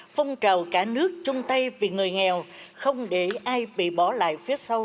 phong trào cả nước chung tay vì người nghèo không để ai bị bỏ lại phía sau